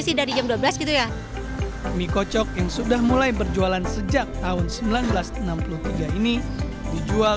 sih dari jam dua belas gitu ya mie kocok yang sudah mulai berjualan sejak tahun seribu sembilan ratus enam puluh tiga ini dijual